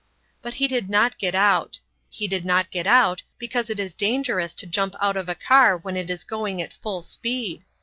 But he did not get out. He did not get out, because it is dangerous to jump out of a car when it is going at full speed.